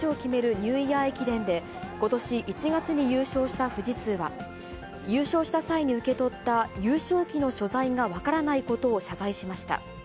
ニューイヤー駅伝で、ことし１月に優勝した富士通は、優勝した際に受け取った優勝旗の所在が分からないことを謝罪しました。